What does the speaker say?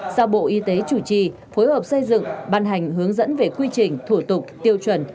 sau bộ y tế chủ trì phối hợp xây dựng ban hành hướng dẫn về quy trình thủ tục tiêu chuẩn